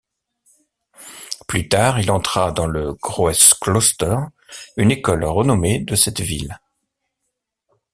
Plus tard, il entra dans le Graues Kloster, une école renommée de cette ville.